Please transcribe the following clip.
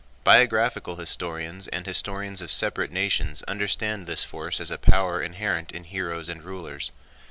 Biographical historians and historians of separate nations understand this force as a power inherent in heroes and rulers.